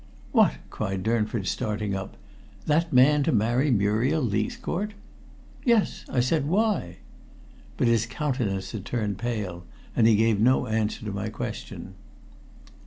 "What!" cried Durnford, starting up. "That man to marry Muriel Leithcourt?" "Yes," I said. "Why?" But his countenance had turned pale, and he gave no answer to my question.